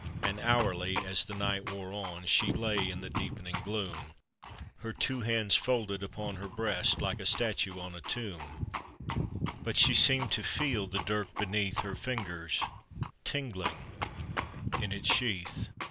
And hourly, as the night wore on, She lay in the deepening gloom, Her two hands folded upon her breast Like a statue on a tomb; Rut she seemed to feel the dirk beneath Her fingers tingling in its sheath.